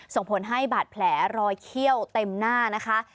ส่งผลให้บาดแผลรอยเขี้ยวเต็มหน้านะคะ